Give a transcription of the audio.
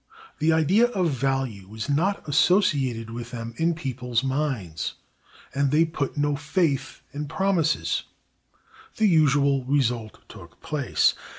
The idea of value was not associated with them in people's minds, and they put no faith in promises. The usual result took place.